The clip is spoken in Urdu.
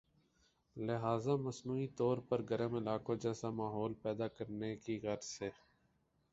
لہذا مصنوعی طور پر گرم علاقوں جیسا ماحول پیدا کرنے کی غرض سے